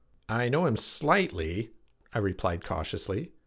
] "I know him slightly," I replied cautiously.